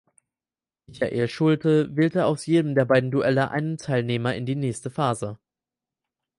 Michael Schulte wählte aus jedem der beiden Duelle einen Teilnehmer in die nächste Phase.